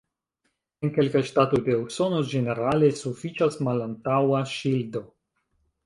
En kelkaj ŝtatoj de Usono ĝenerale sufiĉas malantaŭa ŝildo.